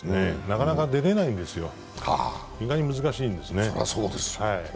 なかなか出られないんですよ、意外に難しいんですね。